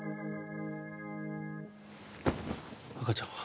赤ちゃんは？